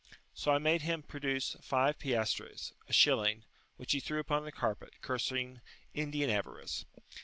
So I made him produce five piastres, a shilling, which he threw upon the carpet, cursing Indian avarice.